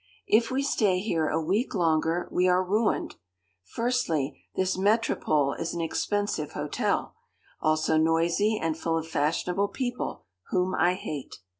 'If we stay here a week longer, we are ruined. Firstly, this Metropole is an expensive hotel; also noisy and full of fashionable people, whom I hate.